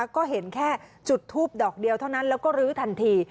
ก็เห็นแค่จุดทูบดอกเดียวเท่านั้นแล้วก็ลื้อทันที